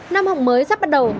năm học mới sắp bắt đầu